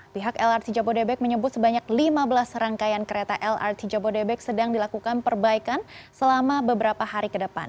pihak lrt jabodebek menyebut sebanyak lima belas rangkaian kereta lrt jabodebek sedang dilakukan perbaikan selama beberapa hari ke depan